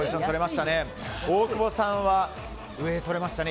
大久保さんは上取れましたね